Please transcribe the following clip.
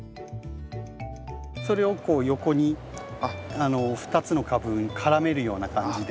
それをこう横に２つの株に絡めるような感じで。